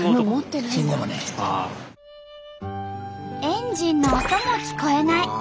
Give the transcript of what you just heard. エンジンの音も聞こえない。